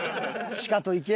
しかといけ。